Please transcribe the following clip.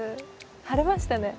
晴れましたね。